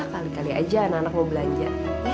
kali kali aja anak anak mau belanja